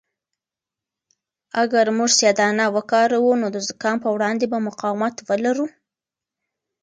اگر موږ سیاه دانه وکاروو نو د زکام په وړاندې به مقاومت ولرو.